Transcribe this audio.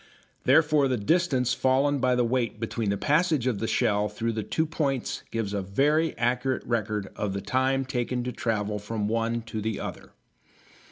Therefore the distance fallen by the weight between the passage of the shell through two points gives a very accurate record of the time taken to travel from one to the other.